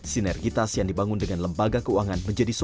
sinergitas yang dibangun dengan lembaga keuangan menjadi solusi